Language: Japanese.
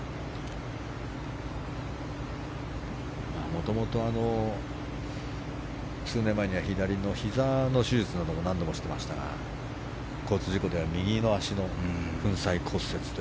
もともと数年前には左のひざの手術も何度もしていましたが交通事故では、右足の粉砕骨折。